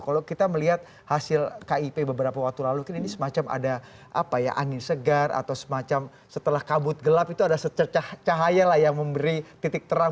kalau kita melihat hasil kip beberapa waktu lalu kan ini semacam ada angin segar atau semacam setelah kabut gelap itu ada secercahaya lah yang memberi titik terang